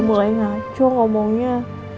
dia udah mulai ngacau ngomonya